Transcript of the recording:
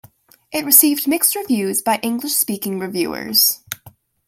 It received mixed reviews by English-speaking reviewers.